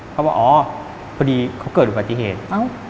เขาบอกอ๋อพอดีเขาเกิดอุบัติเหตุ